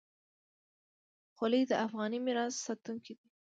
خولۍ د افغاني میراث ساتونکې ده.